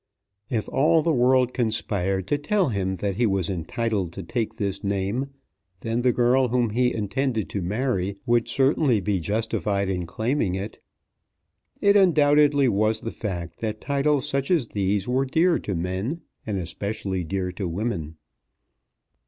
If all the world conspired to tell him that he was entitled to take this name, then the girl whom he intended to marry would certainly be justified in claiming it. It undoubtedly was the fact that titles such as these were dear to men, and specially dear to women.